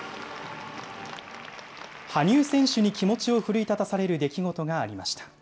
羽生選手に気持ちを奮い立たされる出来事がありました。